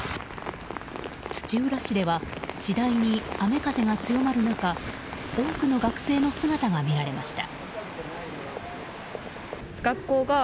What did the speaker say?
土浦市では次第に雨風が強まる中多くの学生の姿が見られました。